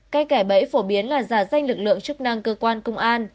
cái kẻ bẫy phổ biến là giả danh lực lượng chức năng cơ quan công an